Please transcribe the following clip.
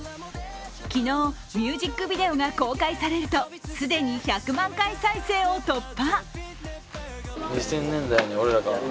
昨日、ミュージックビデオが公開されると既に１００万回再生を突破。